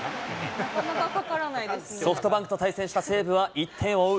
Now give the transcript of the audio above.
ソフトバンクと対戦した西武は１点を追う